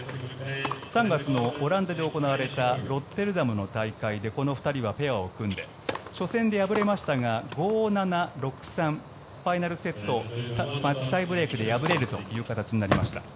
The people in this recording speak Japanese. ３月のオランダで行われたロッテルダムの大会でこの２人はペアを組んで初戦で敗れましたが５−７、６−３ファイナルセットをマッチタイブレークで敗れるという形になりました。